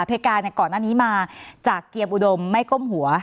เพกาก่อนหน้านี้มาจากเกียร์อุดมไม่ก้มหัว